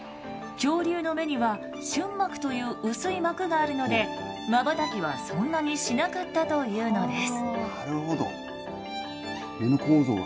恐竜の目には瞬膜という薄い膜があるのでまばたきはそんなにしなかったというのです。